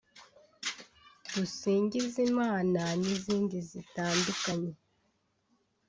"Dusingize Imana" n’izindi zitandukanye